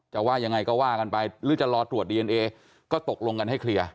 ว่ายังไงก็ว่ากันไปหรือจะรอตรวจดีเอนเอก็ตกลงกันให้เคลียร์